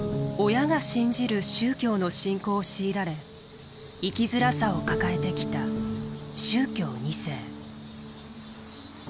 親が信じる宗教の信仰を強いられ生きづらさを抱えてきた宗教２世。